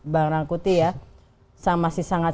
bang rangkuti ya masih sangat